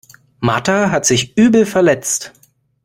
Martha hat sich übel verletzt.